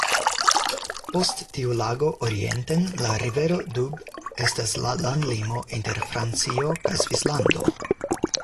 Post tiu lago orienten la rivero Doubs estas la landlimo inter Francio kaj Svislando.